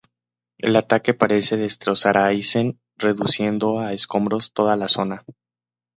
El ataque parece destrozar a Aizen, reduciendo a escombros toda la zona.